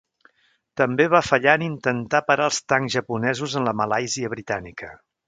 També va fallar en intentar parar els tancs japonesos en la Malàisia Britànica.